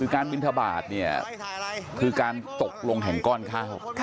การบินทบาทเนี่ยคือการตกลงแห่งก้อนข้าว